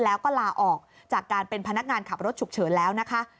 แล้วก็ลาออกจากการเป็นพนักงานขับรถฉุกเฉินแล้วนะคะ